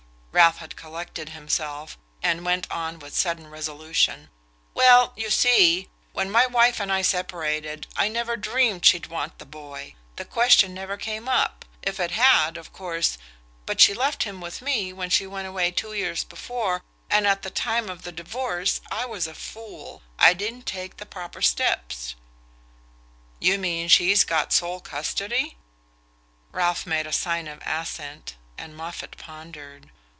Ralph had collected himself, and went on with sudden resolution: "Well, you see when my wife and I separated, I never dreamed she'd want the boy: the question never came up. If it had, of course but she'd left him with me when she went away two years before, and at the time of the divorce I was a fool...I didn't take the proper steps..." "You mean she's got sole custody?" Ralph made a sign of assent, and Moffatt pondered.